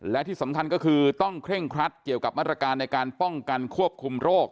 และที่สำคัญก็คือต้องเคร่งครัดเกี่ยวกับมาตรการในการป้องกันควบคุมโรค